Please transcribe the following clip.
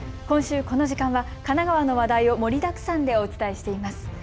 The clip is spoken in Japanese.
今週この時間は神奈川の話題を盛りだくさんでお伝えしています。